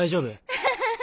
アハハハ！